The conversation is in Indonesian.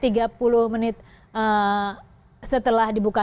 tiga puluh menit setelah dibuka